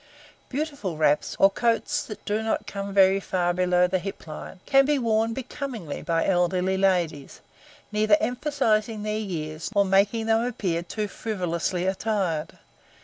Beautiful wraps, or coats that do not come very far below the hip line, can be worn becomingly by elderly ladies, neither emphasizing their years nor making them appear too frivolously attired.